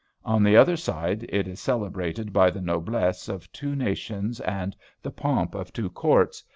On the other side it is celebrated by the noblesse of two nations and the pomp of two courts.